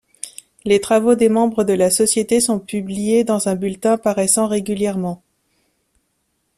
Les travaux des membres de la Société sont publiés dans un bulletin paraissant régulièrement.